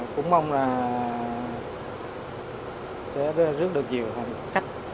cũng mong là sẽ rước được nhiều hành khách